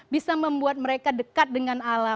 bisa membuat mereka dekat dengan alam